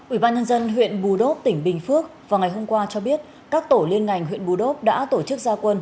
ủy ban nhân dân huyện bù đốc tỉnh bình phước vào ngày hôm qua cho biết các tổ liên ngành huyện bù đốp đã tổ chức gia quân